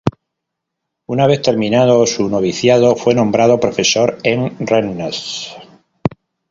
Una vez terminado su noviciado, fue nombrado profesor en Rennes.